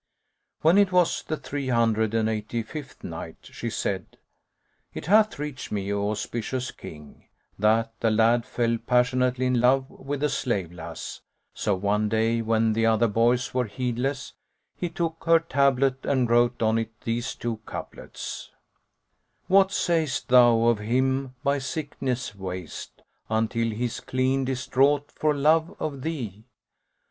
When it was the Three Hundred and Eighty Fifth Night, She said, It hath reached me, O auspicious King, that the lad fell passionately in love with the slave lass: so one day, when the other boys were heedless, he took her tablet[FN#104] and wrote on it these two couplets, "What sayest thou of him by sickness waste, * Until he's clean distraught for love of thee?